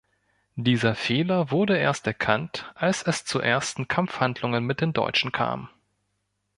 Dieser Fehler wurde erst erkannt, als es zu ersten Kampfhandlungen mit den Deutschen kam.